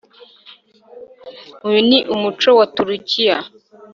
Uyu ni umuco wa Turukiya